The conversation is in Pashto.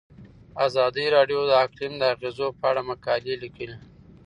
ازادي راډیو د اقلیم د اغیزو په اړه مقالو لیکلي.